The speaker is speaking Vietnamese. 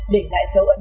để lại dấu ấn